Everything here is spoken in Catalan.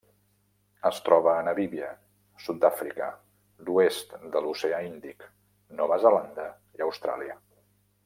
Es troba a Namíbia, Sud-àfrica, l'oest de l'Oceà Índic, Nova Zelanda i Austràlia.